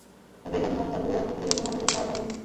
তবে এ ঘটনায় তার পরিবারের পক্ষ থেকেও কোনো অভিযোগ পাওয়া যায়নি।